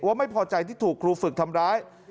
ไม่พอใจที่ถูกครูฝึกทำร้าย